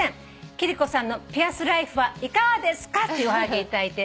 「貴理子さんのピアスライフはいかがですか？」っていうおはがき頂いて。